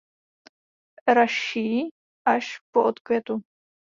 Raší až po odkvětu.